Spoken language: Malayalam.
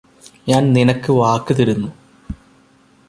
ഞാന് നിനക്ക് വാക്ക് തരുന്നു